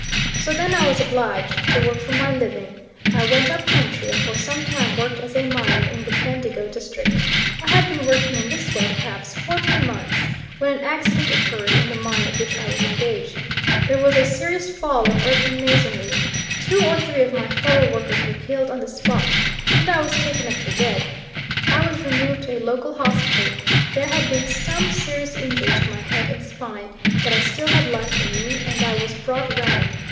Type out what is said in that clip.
"So then I was obliged to work for my living. I went up country, and for some time worked as a miner in the Bendigo district. I had been working in this way perhaps fourteen months when an accident occurred in the mine at which I was engaged. There was a serious fall of earth and masonry; two or three of my fellow workers were killed on the spot, and I was taken up for dead. I was removed to a local hospital there had been some serious injury to my head and spine, but I still had life in me, and I was brought round.